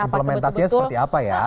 implementasinya seperti apa ya